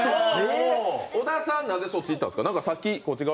小田さん、なんでそっちに行ったんですか？